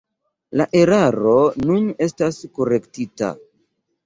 La eraro nun estas korektita.